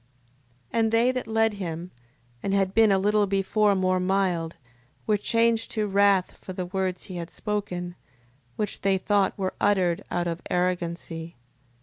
6:29. And they that led him, and had been a little before more mild, were changed to wrath for the words he had spoken, which they thought were uttered out of arrogancy.